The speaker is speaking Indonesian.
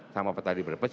sama petani berdepes